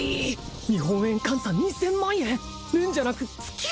日本円換算２０００万円年じゃなく月！？